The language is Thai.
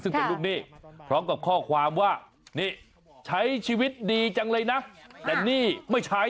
ซึ่งเป็นลูกหนี้พร้อมกับข้อความว่านี่ใช้ชีวิตดีจังเลยนะแต่นี่ไม่ใช้